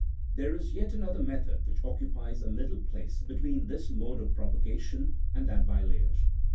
There is yet another method,66 which occupies a middle place between this mode of propagation and that by layers.